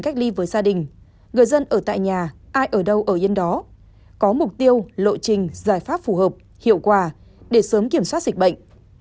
cách ly với gia đình người dân ở tại nhà ai ở đâu ở yên đó có mục tiêu lộ trình giải pháp phù hợp hiệu quả để sớm kiểm soát dịch bệnh